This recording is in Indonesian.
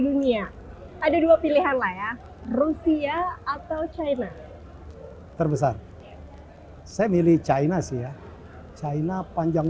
dunia ada dua pilihan lah ya rusia atau china terbesar saya milih china sih ya china panjang